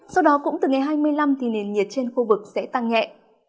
sau đó cũng từ ngày hai mươi năm thì nền nhiệt trên khu vực sẽ tăng nhẹ